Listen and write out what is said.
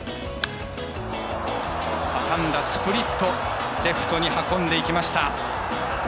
挟んだスプリットレフトに運んでいきました。